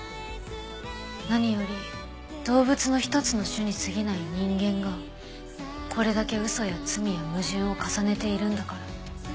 何より動物の一つの種に過ぎない人間がこれだけ嘘や罪や矛盾を重ねているんだから。